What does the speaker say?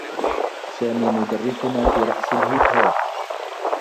سامي مدرّسنا في رقص الهيبهوب.